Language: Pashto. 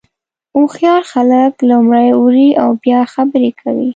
هوښیار خلک لومړی اوري او بیا خبرې کوي.